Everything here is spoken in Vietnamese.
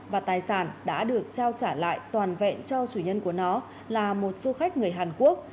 và tài sản đã được trao trả lại toàn vẹn cho chủ nhân của nó là một du khách người hàn quốc